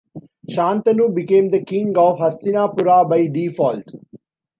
Shantanu became the king of Hastinapura by default.